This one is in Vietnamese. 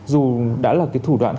dù đã là thủ đoạn khác